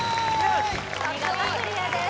見事クリアです